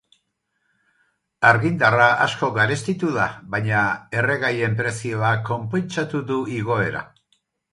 Argindarra asko garestitu da, baina erregaien prezioak konpentsatu du igoera.